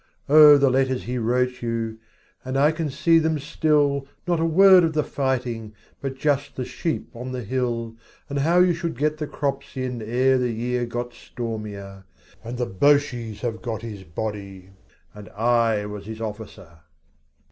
Oh, the letters he wrote you, And I can see them still. Not a word of the fighting But just the sheep on the hill And how you should get the crops in Ere the year got stormier, 40 And the Bosches have got his body. And I was his officer.